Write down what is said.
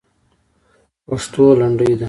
پښتو لنډۍ ده.